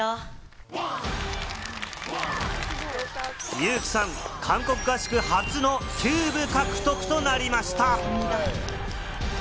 ユウキさん、韓国合宿初のキューブ獲得となりました。